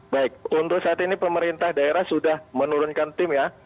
baik untuk saat ini pemerintah daerah sudah menurunkan tim ya